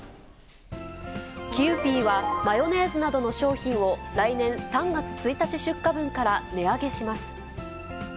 キユーピーはマヨネーズなどの商品を、来年３月１日出荷分から値上げします。